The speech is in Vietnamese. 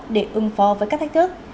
để ứng phó với các thách thức